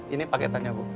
ini paketannya bu